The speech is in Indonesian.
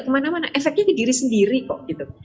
kemana mana efeknya ke diri sendiri kok gitu